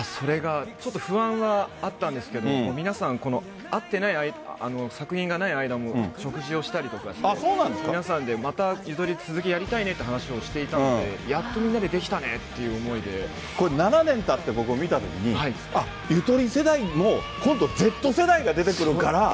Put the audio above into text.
ちょっと不安があったんですけど、皆さん会ってない、作品がない間も食事をしたりとかして、皆さんで、また、ゆとり、続きやりたいねっていう話をしていたので、やっとみんな７年たって僕見たときに、あっ、ゆとり世代も今度Ｚ世代が出てくるから。